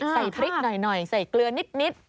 ใส่พริกหน่อยใส่เกลือนิด